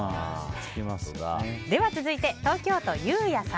続いて、東京都の方。